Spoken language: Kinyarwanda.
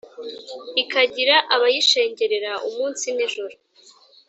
ikagira abayishengerera; umunsi nijoro;